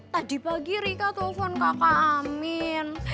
tadi pagi rika telepon kakak amin